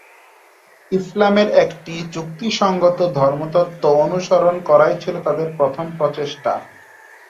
ইসলামের একটি যুক্তিসঙ্গত ধর্মতত্ত্ব অনুসরণ করাই ছিল তাদের প্রথম প্রচেষ্টা।